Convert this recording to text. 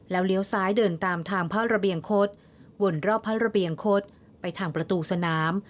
เลี้ยวซ้ายเดินตามทางพระระเบียงคดวนรอบพระระเบียงคดไปทางประตูสนาม